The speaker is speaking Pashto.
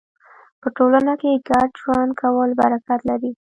په ټولنه کې ګډ ژوند کول برکت لري.